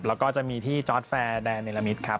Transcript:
แล้วก็จะมีที่จอร์ดแฟร์แดนเนรมิตครับ